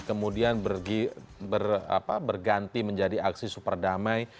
kemudian berganti menjadi aksi superdamai